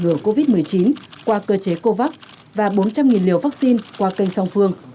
ngừa covid một mươi chín qua cơ chế covax và bốn trăm linh liều vaccine qua kênh song phương